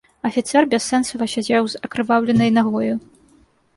Афіцэр бяссэнсава сядзеў з акрываўленай нагою.